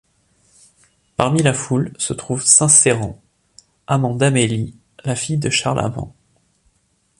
Parmi la foule, se trouve St-Céran, amant d'Amélie, la fille de Charles Amand.